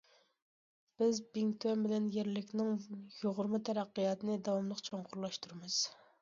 بىز بىڭتۈەن بىلەن يەرلىكنىڭ يۇغۇرما تەرەققىياتىنى داۋاملىق چوڭقۇرلاشتۇرىمىز.